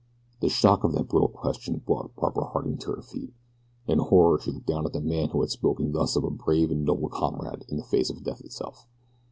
The shock of that brutal question brought Barbara Harding to her feet. In horror she looked down at the man who had spoken thus of a brave and noble comrade in the face of death itself.